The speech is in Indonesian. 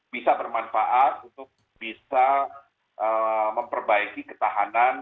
bisa bermanfaat untuk bisa memperbaiki ketahanan